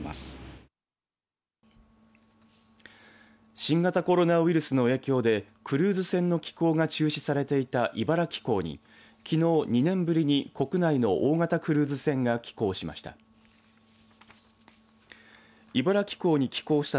新型コロナウイルスの影響でクルーズ船の寄港が中止されていた茨城港にきのう２年ぶりに国内の大型クルーズ船が寄港しました。